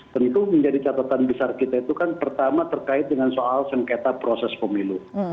tentu menjadi catatan besar kita itu kan pertama terkait dengan soal sengketa proses pemilu